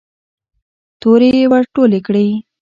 تورې يې ور ټولې کړې.